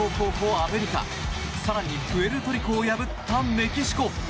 アメリカ更にプエルトリコを破ったメキシコ。